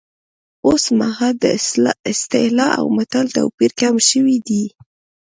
اوس مهال د اصطلاح او متل توپیر کم شوی دی